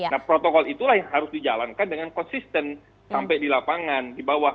nah protokol itulah yang harus dijalankan dengan konsisten sampai di lapangan di bawah